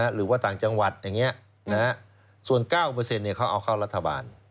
หรือว่าต่างจังหวัดอย่างนี้ส่วน๙เขาเอาเข้ารัฐบาล